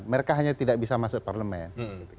mereka hanya tidak bisa masuk parlemen